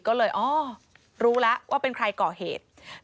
ก็เลยอ๋อรู้แล้วว่าเป็นใครก่อเหตุ